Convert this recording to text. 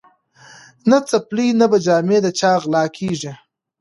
نه څپلۍ نه به جامې د چا غلاکیږي